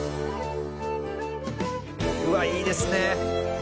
うわっいいですね。